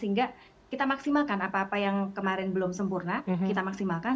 sehingga kita maksimalkan apa apa yang kemarin belum sempurna kita maksimalkan